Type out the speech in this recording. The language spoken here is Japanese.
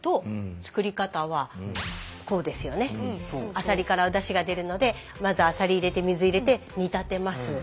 アサリからおだしが出るのでまずアサリ入れて水入れて煮立てます。